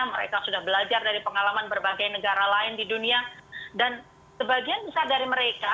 mereka sudah belajar dari pengalaman berbagai negara lain di dunia dan sebagian besar dari mereka